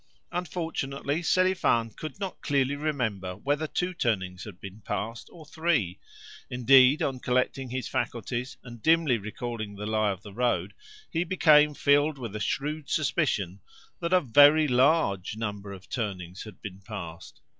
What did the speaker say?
Unfortunately, Selifan could not clearly remember whether two turnings had been passed or three. Indeed, on collecting his faculties, and dimly recalling the lie of the road, he became filled with a shrewd suspicion that A VERY LARGE NUMBER of turnings had been passed.